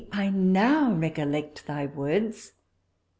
I now recollect thy words!